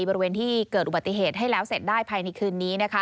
บริเวณที่เกิดอุบัติเหตุให้แล้วเสร็จได้ภายในคืนนี้